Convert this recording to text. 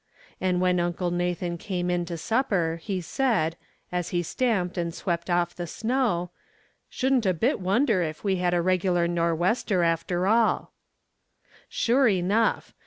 And when Uncle Nathan came in to supper, he said, as he stamped and swept off the snow :" Shouldn't a bit wonder if we had a regular nor'wester after aU." Sure enough